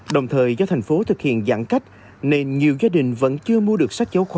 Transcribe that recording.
đồng thời do thành phố thực hiện giãn cách nên nhiều gia đình vẫn chưa mua được sách giáo khoa